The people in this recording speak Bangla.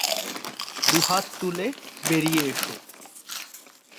দুই হাত তুলে বেরিয়ে এসো!